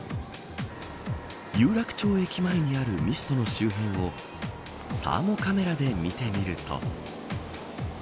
有楽町駅前にあるミストの周辺をサーモカメラで見てみると。